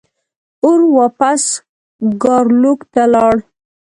اور واپس ګارلوک ته لاړ.